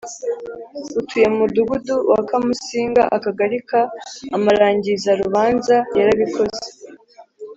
utuye mu Mudugudu wa Kamusinga Akagali ka amarangizarubanza Yarabikoze